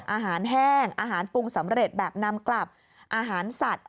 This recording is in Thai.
อาหารแห้งอาหารปรุงสำเร็จแบบนำกลับอาหารสัตว์